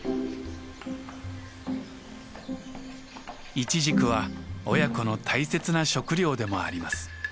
イチジクは親子の大切な食料でもあります。